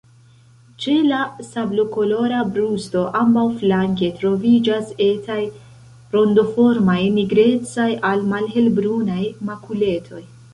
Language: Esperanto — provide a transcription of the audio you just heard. Ĉe la sablokolora brusto ambaŭflanke troviĝas etaj, rondoformaj nigrecaj al malhelbrunaj makuletoj.